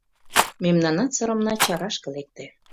Мемнанат сырымына чарашке лекте.